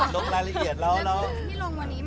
ลงรายละเอียดแล้ว